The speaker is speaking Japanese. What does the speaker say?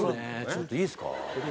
ちょっといいですか？